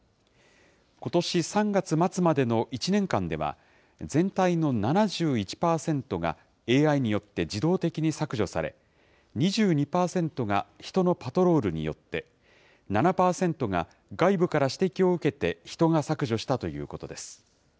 ことし３月末までの１年間では、全体の７１％がＡＩによって自動的に削除され、２２％が人のパトロールによって、７％が外部から指摘を受けて人が削除したということです。